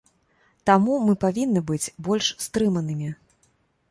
Таму мы павінны быць больш стрыманымі.